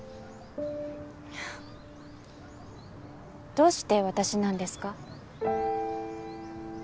どうして私なんですか？